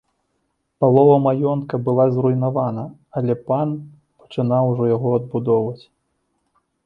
Палова маёнтка была зруйнавана, але пан пачынаў ужо яго адбудоўваць.